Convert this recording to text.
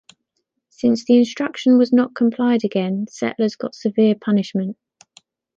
Since the instruction was not complied again, settlers got severe punishment.